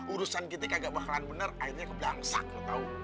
urusan kita kagak bakalan bener akhirnya kebangsak lu tau